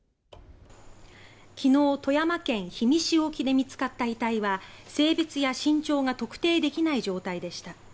昨日、富山県氷見市沖で見つかった遺体は性別や身長が特定できない状態でした。